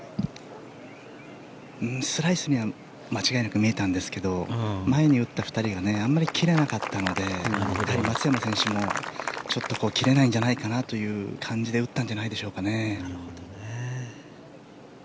スライスには間違いなく見えたんですけど前に打った２人があまり切れなかったので松山選手もちょっと切れないんじゃないかなという感じで打ったんじゃないでしょうか。